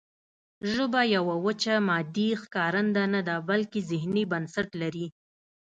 ژبه یوه وچه مادي ښکارنده نه ده بلکې ذهني بنسټ لري